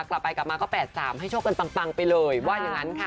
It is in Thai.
กลับไปกลับมาก็๘๓ให้โชคกันปังไปเลยว่าอย่างนั้นค่ะ